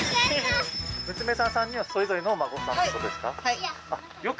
娘さん３人のそれぞれのお孫さんということですか？